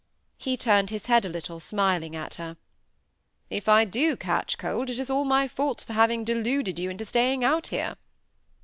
He turned his head a little, smiling at her. "If I do catch cold, it is all my fault for having deluded you into staying out here!"